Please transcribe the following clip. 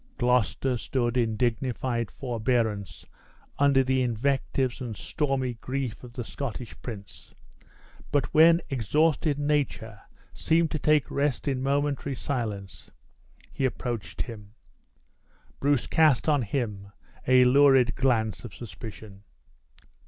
Gloucester stood in dignified forbearance under the invectives and stormy grief of the Scottish prince; but when exhausted nature seemed to take rest in momentary silence, he approached him. Bruce cast on him a lurid glance of suspicion.